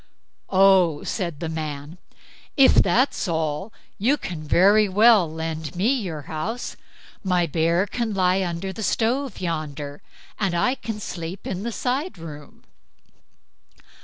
"Oh?" said the man, "if that's all, you can very well lend me your house; my bear can lie under the stove yonder, and I can sleep in the side room."